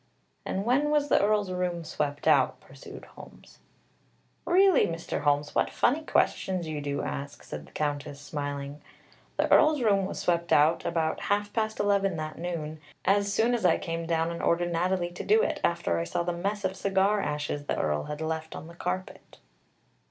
"And when was the Earl's room swept out?" pursued Holmes. "Really, Mr. Holmes, what funny questions you do ask!" said the Countess, smiling. "The Earl's room was swept out about half past eleven that noon, as soon as I came down and ordered Natalie to do it, after I saw the mess of cigar ashes the Earl had left on the carpet."